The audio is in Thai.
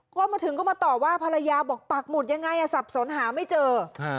ก็มาถึงก็มาต่อว่าภรรยาบอกปากหมุดยังไงสับสนหาไม่เจอ